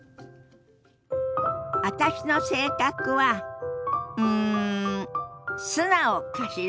私の性格はうん素直かしら？